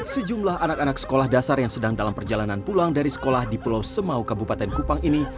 sejumlah anak anak sekolah dasar yang sedang dalam perjalanan pulang dari sekolah di pulau semau kabupaten kupang ini